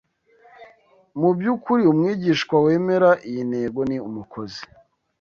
Mu by’ukuri, umwigisha wemera iyi ntego ni umukozi